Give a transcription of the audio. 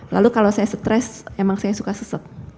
lalu kalau saya stress emang saya suka sesek